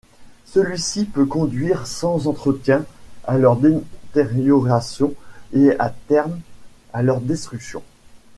Celui-ci peut conduire, sans entretien, à leur détérioration et, à terme, à leur destruction.